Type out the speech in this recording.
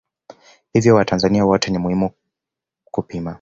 Hivyo watanzania wote ni muhimu kupima